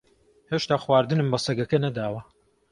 ھێشتا خواردنم بە سەگەکە نەداوە.